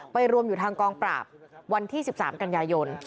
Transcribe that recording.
รวมอยู่ทางกองปราบวันที่๑๓กันยายน